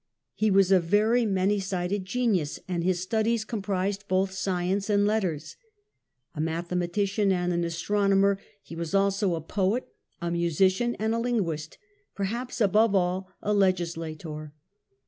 He was a very many sided genius, and his studies comprised both science and letters. A mathematician and an astronomer, he was also a poet, a musician and a linguist, perhaps above all a legislator.